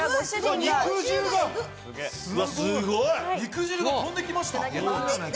肉汁が飛んできました。